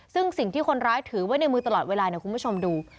ซึ่งสิ่งที่คนร้ายถือไว้ในมือตลอดเวลาเนี่ยคุณผู้ชมดู